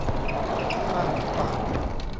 บ้าหอบฟาง